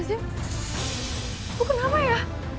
ibu kenapa ya